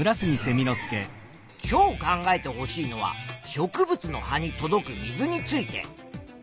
今日考えてほしいのは植物の葉に届く水について。